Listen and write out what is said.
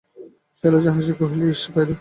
শৈলজা হাসিয়া কহিল, ইস, তাই তো!